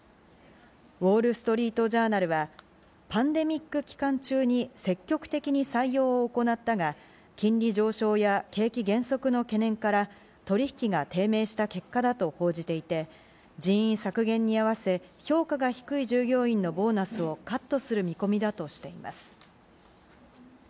ウォール・ストリート・ジャーナルはパンデミック期間中に積極的に採用を行ったが、金利上昇や景気減速の懸念から取引が低迷した結果だと報じていて、人員削減に合わせ、評価が低い従業員のボーナスをカットする見込みだとしています。